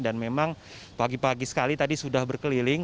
dan memang pagi pagi sekali tadi sudah berkeliling